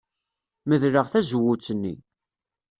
Medleɣ tazewwut-nni.